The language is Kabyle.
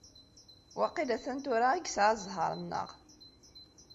Waqil atan tura i yeɛya ẓẓher-nneɣ.